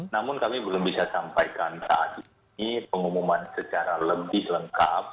namun kami belum bisa sampaikan saat ini pengumuman secara lebih lengkap